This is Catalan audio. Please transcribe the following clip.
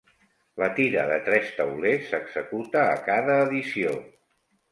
La tira de tres taulers s"executa a cada edició.